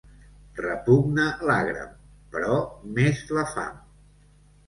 Repugna l'agram, però més la fam.